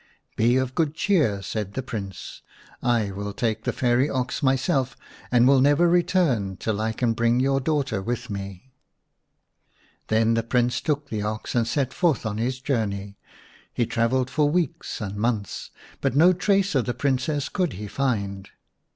"Be of good clieer," said the Prince. "I 38 UNIVERSITY OF iv "The Shining Princess will take the fairy ox myself and will never return till I cprf bring your daughter with me." Then tke Prince took the ox and set forth on his journey. He travelled for weeks and months, but no trace of the Princess could he find.